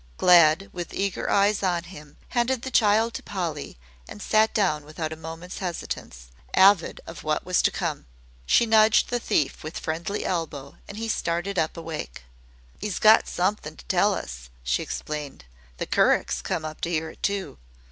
Glad with eager eyes on him handed the child to Polly and sat down without a moment's hesitance, avid of what was to come. She nudged the thief with friendly elbow and he started up awake. "'E's got somethin' to tell us," she explained. "The curick's come up to 'ear it, too.